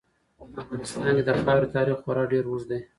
په افغانستان کې د خاورې تاریخ خورا ډېر اوږد دی.